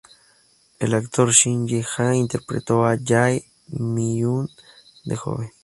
El actor Shin Jae-ha interpretó a Jae-myung de joven.